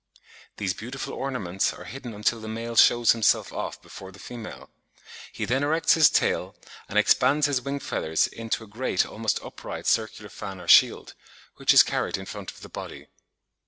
These beautiful ornaments are hidden until the male shows himself off before the female. He then erects his tail, and expands his wing feathers into a great, almost upright, circular fan or shield, which is carried in front of the body.